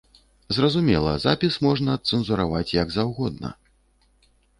Зразумела, запіс можна адцэнзураваць як заўгодна.